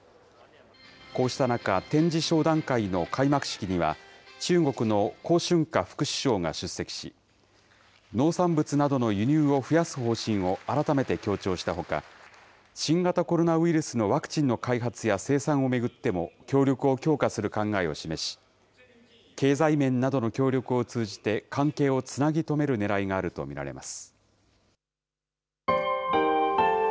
こうした中、展示商談会の開幕式には、中国の胡春華副首相が出席し、農産物などの輸入を増やす方針を改めて強調したほか、新型コロナウイルスのワクチンの開発や生産を巡っても、協力を強化する考えを示し、経済面などの協力を通じて、関係をつなぎとめるねらいがあると見られます。